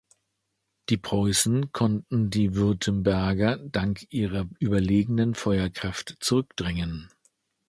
Die Preußen konnten die Württemberger dank ihrer überlegenen Feuerkraft zurückdrängen.